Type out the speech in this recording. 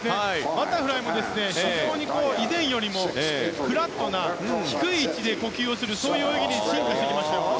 バタフライも非常に非常に以前よりもフラットな低い位置で呼吸をする泳ぎに進化してきましたよ。